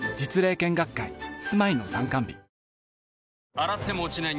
洗っても落ちない